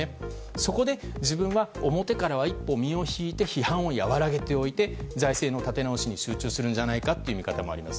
そこで、自分は表からは一歩身を引いて批判を和らげておいて財政の立て直しに集中するという見方もあって。